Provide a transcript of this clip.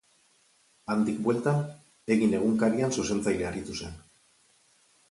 Handik bueltan, Egin egunkarian zuzentzaile aritu zen.